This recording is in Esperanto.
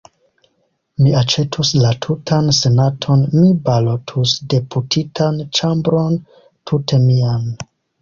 Mi aĉetus la tutan senaton; mi balotus deputitan ĉambron tute mian!